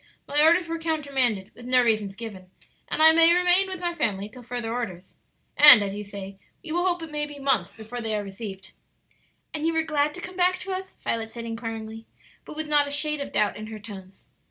"My orders were countermanded, with no reasons given, and I may remain with my family till further orders; and, as you say, we will hope it may be months before they are received." "And you were glad to come back to us?" Violet said, inquiringly, but with not a shade of doubt in her tones.